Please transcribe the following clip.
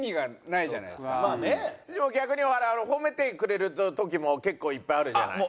でも逆に褒めてくれる時も結構いっぱいあるじゃない。